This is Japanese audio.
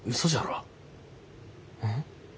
うん？